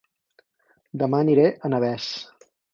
Dema aniré a Navès